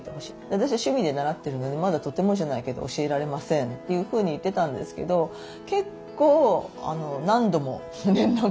「私は趣味で習ってるのでまだとてもじゃないけど教えられません」というふうに言ってたんですけど結構何度も連絡が来て。